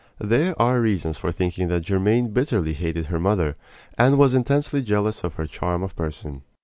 There are reasons for thinking that Germaine bitterly hated her mother, and was intensely jealous of her charm of person.